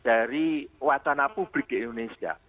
dari wacana publik di indonesia